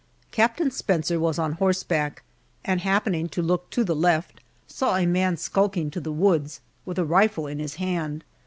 Captain Spencer was on horseback, and happening to look to the left saw a man skulking to the woods with a rifle in his hand.